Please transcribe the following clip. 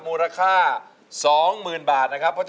มูลค่า๒๐๐๐บาทนะครับ